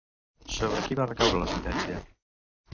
Sobre qui va recaure la sentència?